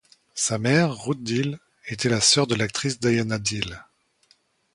Sa mère, Ruth Dill, était la sœur de l’actrice Diana Dill.